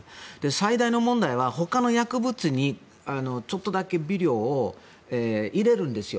最大の問題は、ほかの薬物にちょっとだけ微量を入れるんですよ。